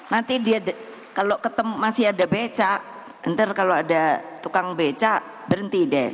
nanti dia kalau ketemu masih ada becak ntar kalau ada tukang beca berhenti deh